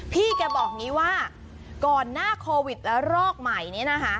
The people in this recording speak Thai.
พี่แกบอกอย่างนี้ว่าก่อนหน้าโควิดและรอกใหม่นี้นะคะ